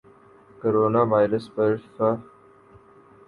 corona virus پر ف